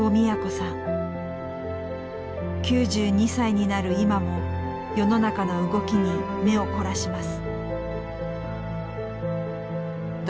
９２歳になる今も世の中の動きに目を凝らします。